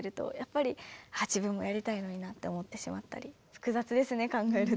複雑ですね考えると。